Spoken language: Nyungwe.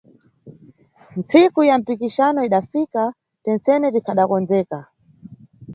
Ntsiku ya mpikisano idafika, tentsene tikhadakondzeka